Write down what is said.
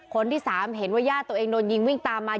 คนที่สามเห็นว่าญาติตัวเองโดนยิงวิ่งตามมา